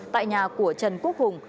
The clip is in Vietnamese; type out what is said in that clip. tại nhà của trần quốc hùng